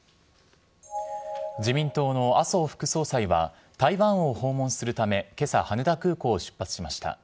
自民党の麻生副総裁は、台湾を訪問するため、けさ羽田空港を出発しました。